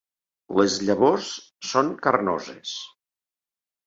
Les llavors són carnoses.